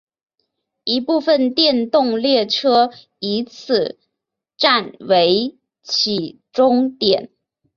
一部分电动列车以此站为起终点。